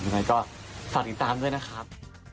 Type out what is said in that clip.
ยังไงก็ฝากติดตามด้วยนะครับ